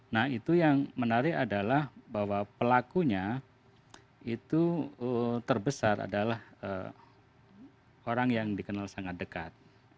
nah itu yang menarik adalah bahwa pelakunya itu terbesar adalah orang yang dikenal sangat dekat